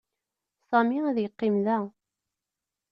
Sami ad yeqqim da.